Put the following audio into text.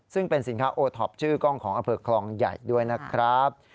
ซึ่งเป็นสินค้าโอท็อปชื่อกล้องของอำเภอคลองใหญ่ด้วยนะครับ